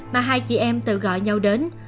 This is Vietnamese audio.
mà hai chị em tự gọi nhau đến